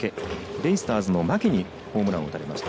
ベイスターズの牧にホームランを打たれました。